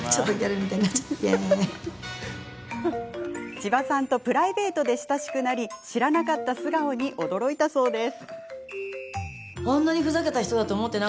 千葉さんとプライベートで親しくなり知らなった素顔に驚いたそうです。